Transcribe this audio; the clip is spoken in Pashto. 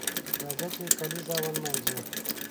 راځه چې کالیزه ونمانځو